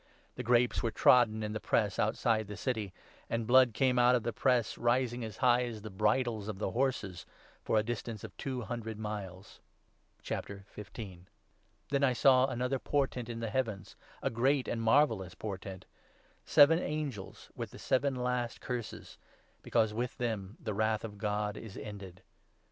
The ' grapes were trodden in 20 the press' outside the city ; and blood came out of the press, rising as high as the bridles of the horses for a distance of two hundred miles. V. — THE VISION OF THE SEVEN CURSES. Then I saw another portent in the heavens — a great and marvellous portent — seven angels with the seven last Curses ; because with them the Wrath of God is ended.